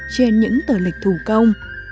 trên những tờ lịch thủ công